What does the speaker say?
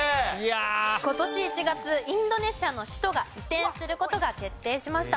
今年１月インドネシアの首都が移転する事が決定しました。